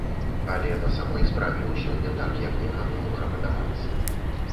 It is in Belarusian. Але на самой справе ўсё не так, як некаму можа падавацца.